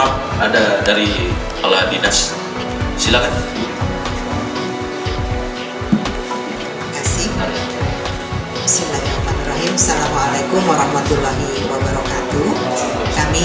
kasih silakan rahim salamualaikum warahmatullahi wabarakatuh kami